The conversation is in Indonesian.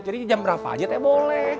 jadi jam berapa aja teh boleh